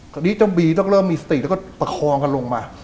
ตอนนี้เจ้าบีเราก็เริ่มมีสติกแล้วก็ประคองมา